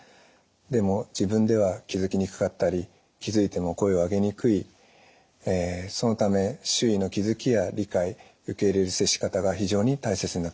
でも自分では気づきにくかったり気づいても声を上げにくいそのため周囲の気づきや理解受け入れる接し方が非常に大切になってきます。